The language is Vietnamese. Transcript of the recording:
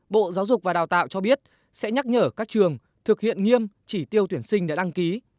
bộ giáo dục và đào tạo cho biết sẽ nhắc nhở các trường thực hiện nghiêm chỉ tiêu tuyển sinh đã đăng ký